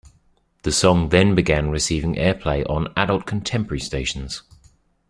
The song then began receiving airplay on adult contemporary stations.